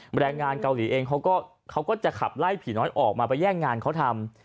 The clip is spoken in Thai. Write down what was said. แรงงานเกาหลีเองเขาก็จะขับไล่ผีน้อยออกมาไปแย่งงานเขาทำ